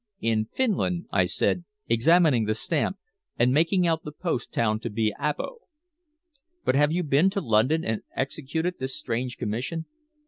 "In Finland," I said, examining the stamp and making out the post town to be Abo. "But have you been to London and executed this strange commission?"